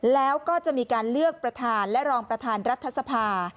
แล้วก็จะมีการเลือกประธานและรองประธานรัฐสภา